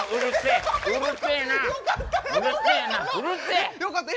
よかったえ？